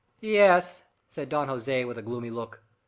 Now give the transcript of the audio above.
"Yes," said Don Jose, with a gloomy look.